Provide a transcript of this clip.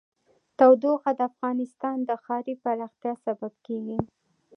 تودوخه د افغانستان د ښاري پراختیا سبب کېږي.